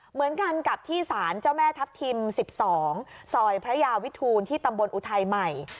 เหมือนกันกับที่สารเจ้าแม่ทัพทิม๑๒ซอยพระยาวิทูลที่ตำบลอุทัยใหม่